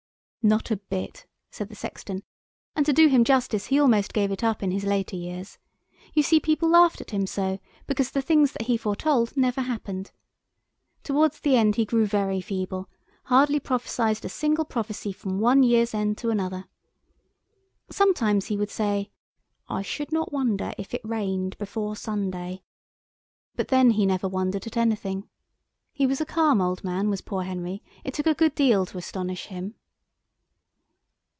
"Not a bit," said the sexton, "and to do him justice he almost gave it up in his later years. You see people laughed at him so, because the things that he foretold never happened. Towards the end he grew very feeble—hardly prophesied a single prophecy from one year's end to another. Sometimes he would say, 'I should not wonder if it rained before Sunday,' but then he never wondered at anything. He was a calm old man, was poor Henry. It took a good deal to astonish him."